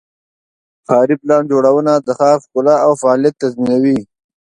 ښاري پلان جوړونه د ښار ښکلا او فعالیت تضمینوي.